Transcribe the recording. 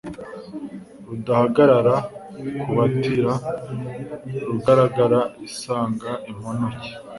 Rudahagarara ku batira, Rugaragara isanga imponoke,